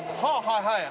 はいはい。